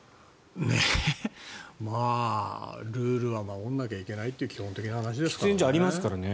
ルールは守らないといけないという基本的な話ですからね。